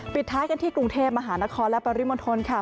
ปิดท้ายกันที่กรุงเทพมหานครและปริมณฑลค่ะ